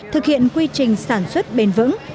thực hiện quy trình sản xuất bền vững